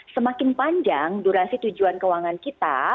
semakin panjang durasi tujuan keuangan kita